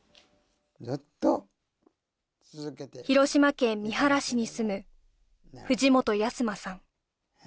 広島県三原市に住む藤本安馬さん